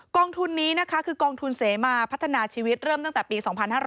องทุนนี้นะคะคือกองทุนเสมาพัฒนาชีวิตเริ่มตั้งแต่ปี๒๕๕๙